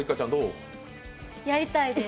やりたいです。